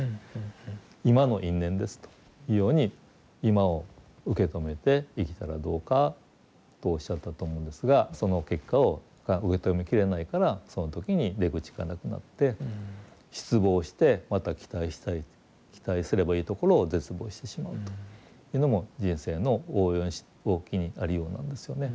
今の因縁ですというように今を受け止めて生きたらどうかとおっしゃったと思うんですがその結果が受け止めきれないからその時に出口がなくなって失望してまた期待したり期待すればいいところを絶望してしまうというのも人生の大きいありようなんですよね。